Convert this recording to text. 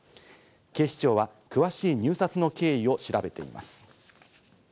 警視庁は詳しい入札の経緯を調べています。